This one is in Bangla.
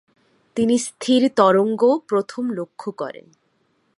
তিনি স্থির তরঙ্গও প্রথম লক্ষ্য করেন।